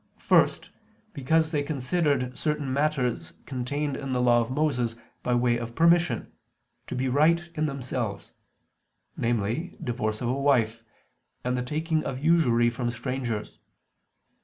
First, because they considered certain matters contained in the Law of Moses by way of permission, to be right in themselves: namely, divorce of a wife, and the taking of usury from strangers.